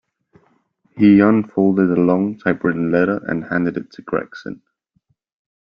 He unfolded a long typewritten letter, and handed it to Gregson.